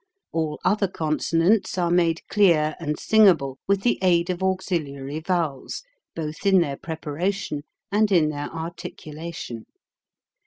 All other consonants are made clear and sing able with the aid of auxiliary vowels both in their preparation and in their articulation.